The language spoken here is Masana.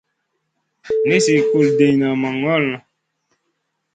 Nizi kul diyna ma ŋola.